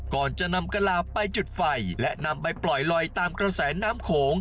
ก่อนจะนำกะลาไปจุดไฟและนำไปปล่อยลอยตามกระแสน้ำโขง